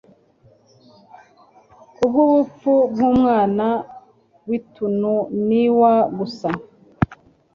Kubw'urupfu rw'Umwana w'tununW Gusa,